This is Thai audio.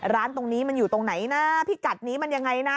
ร้านตรงนี้มันอยู่ตรงไหนนะพิกัดนี้มันยังไงนะ